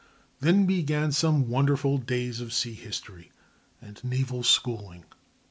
Then began some wonderful days of sea history and naval schooling.